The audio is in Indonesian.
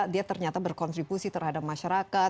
dia ternyata berkontribusi terhadap masyarakat